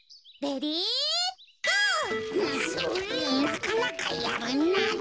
なかなかやるなぁ。